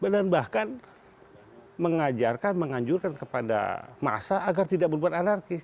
dan bahkan mengajarkan menganjurkan kepada masa agar tidak berbuat anarkis